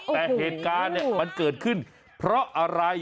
แต่เหตุการณ์เนี่ยมันเกิดขึ้นเพราะอะไร